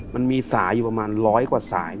มันมีสายอยู่ประมาณร้อยกว่าสาย